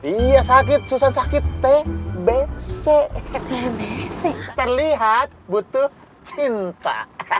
iya sakit sakit tbc terlihat butuh cinta